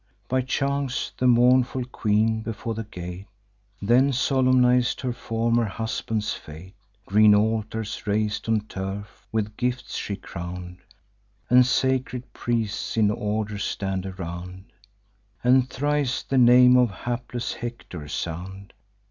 By chance, the mournful queen, before the gate, Then solemniz'd her former husband's fate. Green altars, rais'd of turf, with gifts she crown'd, And sacred priests in order stand around, And thrice the name of hapless Hector sound.